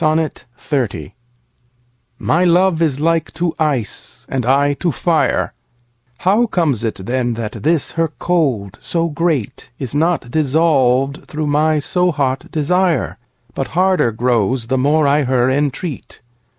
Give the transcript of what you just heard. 1 Autoplay My love is like to ice, and I to fire: How comes it then that this her cold so great Is not dissolved through my so hot desire, But harder grows the more I her entreat?